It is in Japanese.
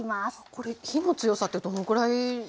これ火の強さってどのぐらいなんでしょう？